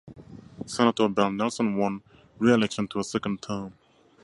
Senator Ben Nelson won re-election to a second term.